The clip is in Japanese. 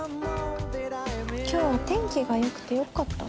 今日お天気がよくてよかった。